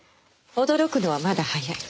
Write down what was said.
驚くのはまだ早い。